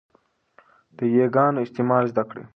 د 'ي' ګانو استعمال زده کړئ.